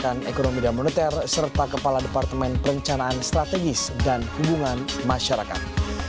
kepala departemen ekonomi dan monetar serta kepala departemen perencanaan strategis dan hubungan masyarakat